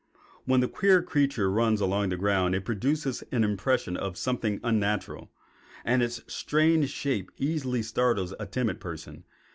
When the queer creature runs along the ground, it produces an impression of something unnatural, and its strange shape easily startles a timid person.